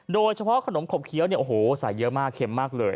โดยเฉพาะขนมขบเคี้ยวใส่เยอะมากเค็มมากเลย